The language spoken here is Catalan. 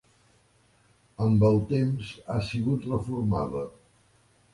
Amb el temps ha sigut reformada.